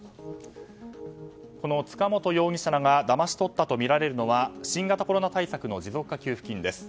塚本容疑者らがだまし取ったとみられるのは新型コロナ対策の持続化給付金です。